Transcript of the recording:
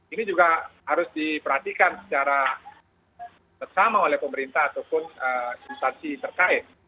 ini juga harus diperhatikan secara bersama oleh pemerintah ataupun instansi terkait